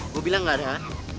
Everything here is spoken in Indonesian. gue bilang gak ada anu